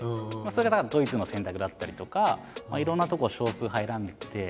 それがドイツの選択だったりとかいろんなとこ少数派を選んでって。